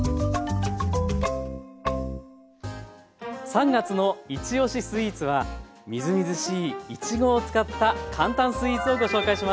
３月の「いちおしスイーツ」はみずみずしいいちごを使った簡単スイーツをご紹介します。